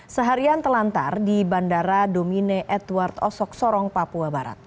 seharian telantar di bandara domine edward osok sorong papua barat